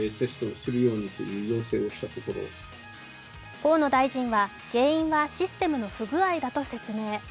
河野大臣は原因はシステムの不具合だと説。